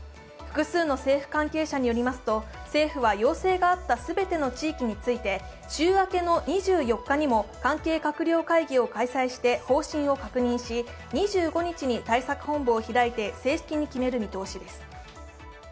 複数の政府関係者によりますと政府は要請があった全ての地域について、週明けの２４日にも関係閣僚会議を開催して方針を確認し２５日に対策本部を開いて正式に決める見通しです。